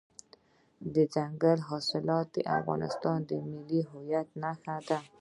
دځنګل حاصلات د افغانستان د ملي هویت نښه ده.